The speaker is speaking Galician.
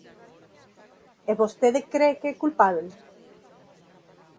E vostede cre que é culpábel?